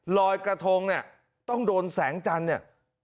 รอยกระทงเนี่ยต้องโดนแสงจันทร์เนี่ย